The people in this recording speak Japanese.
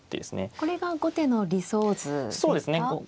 これが後手の理想図ですか。